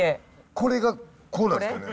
これがこうなんですかね？